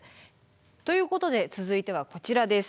ということで続いてはこちらです。